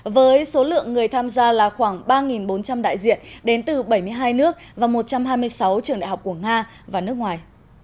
với số lượng người tham gia là khoảng ba bốn trăm linh đại diện đến từ bảy mươi hai nước và một trăm hai mươi sáu trường đại học của nga và nước ngoài